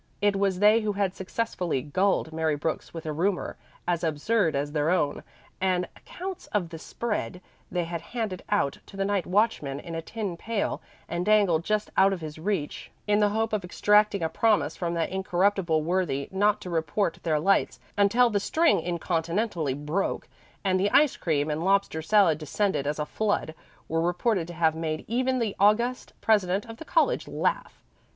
It was they who had successfully gulled Mary Brooks with a rumor as absurd as her own; and accounts of the "spread" they had handed out to the night watchman in a tin pail, and dangled just out of his reach, in the hope of extracting a promise from that incorruptible worthy not to report their lights, until the string incontinently broke and the ice cream and lobster salad descended as a flood, were reported to have made even the august president of the college laugh.